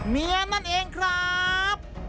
อ๋ออ๋อเมียนั่นเองครับ